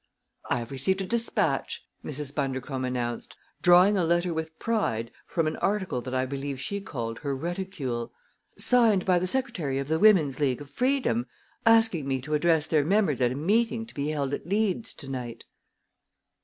"I have received a dispatch," Mrs. Bundercombe announced, drawing a letter with pride from an article that I believe she called her reticule, "signed by the secretary of the Women's League of Freedom, asking me to address their members at a meeting to be held at Leeds to night."